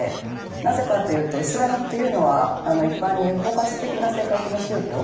なぜかというとイスラムというのは一般に包括的な性格の宗教。